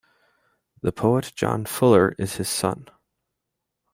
The poet John Fuller is his son.